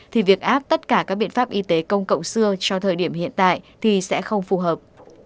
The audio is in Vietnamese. thì việc áp tất cả các biện pháp y tế công cộng xưa cho thời điểm hiện tại thì sẽ không phù hợp